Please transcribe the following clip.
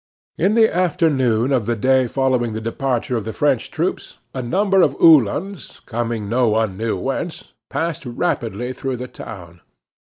In the afternoon of the day following the departure of the French troops, a number of uhlans, coming no one knew whence, passed rapidly through the town.